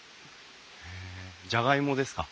へえじゃがいもですか？